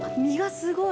すごい！